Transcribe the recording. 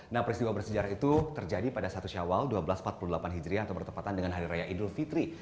nah peristiwa bersejarah itu terjadi pada satu syawal seribu dua ratus empat puluh delapan hijriah atau bertepatan dengan hari raya idul fitri